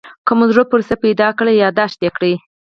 که مو زړه پورې څه پیدا کړل یادداشت کړئ.